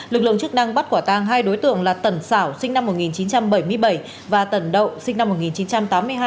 lực lượng chức năng bắt quả tang hai đối tượng là tần xảo sinh năm một nghìn chín trăm bảy mươi bảy và tần đậu sinh năm một nghìn chín trăm tám mươi hai